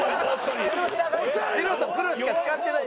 白と黒しか使ってない。